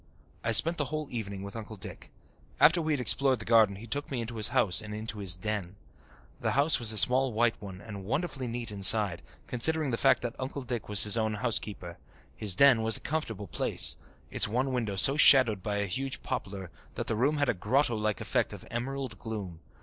I spent the whole evening with Uncle Dick. After we had explored the garden he took me into his house and into his "den." The house was a small white one and wonderfully neat inside, considering the fact that Uncle Dick was his own housekeeper. His "den" was a comfortable place, its one window so shadowed by a huge poplar that the room had a grotto like effect of emerald gloom.